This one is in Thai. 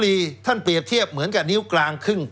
แล้วเขาก็ใช้วิธีการเหมือนกับในการ์ตูน